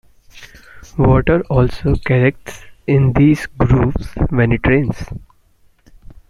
Water also collects in these grooves when it rains.